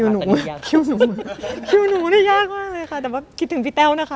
คิวหนูคิวหนูก็ยากมากเลยค่ะแต่ว่ากินถึงพี่แต้วนะคะ